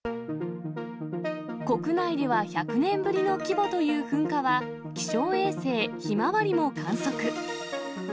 国内では１００年ぶりの規模という噴火は、気象衛星ひまわりも観測。